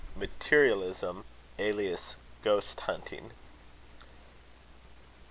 MATERIALISM alias GHOST HUNTING.